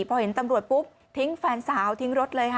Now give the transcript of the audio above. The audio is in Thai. พอเห็นตำรวจปุ๊บทิ้งแฟนสาวทิ้งรถเลยค่ะ